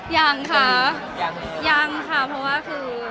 ยังค่ะยังค่ะเพราะว่าคือ